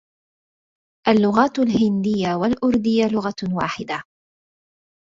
اللغات الهندية والأردية لغة واحدة.